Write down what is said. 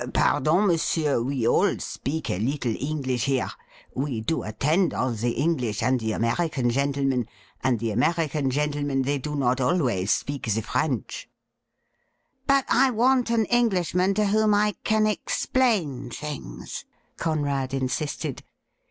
'Pardon, monsieur, we all speak a little English here. We do attend on the English and the American gentle men — and the American gentlemen, they do not always speak the French.' 'But I want an Englishman to whom I can explain things,' Conrad insisted.